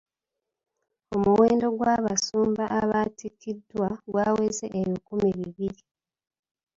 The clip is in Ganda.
Omuwendo gw'abasumba abaatikiddwa gwaweze ebikumi bibiri.